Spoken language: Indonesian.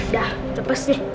dah lepas deh